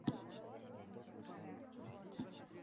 so‘z erkinligini qiyin ahvolga solib qo‘yardi.